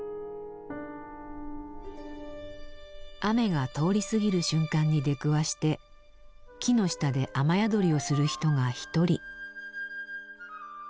雨が通り過ぎる瞬間に出くわして木の下で雨宿りをする人が一人。